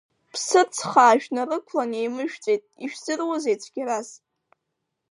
Ԥсырцхаа шәнарықәланы еимышәҵәеит, ишәзырузеи цәгьарас?